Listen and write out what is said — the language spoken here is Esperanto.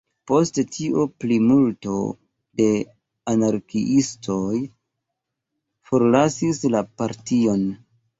Post tio plimulto de anarkiistoj forlasis la partion.